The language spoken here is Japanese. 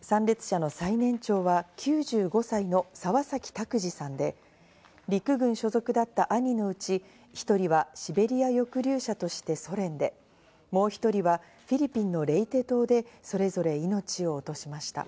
参列者の最年長は９５歳の澤崎卓兒さんで、陸軍所属だった兄のうち１人はシベリア抑留者としてソ連で、もう１人はフィリピンのレイテ島でそれぞれ命を落としました。